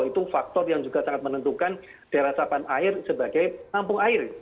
itu faktor yang juga sangat menentukan daerah sapan air sebagai kampung air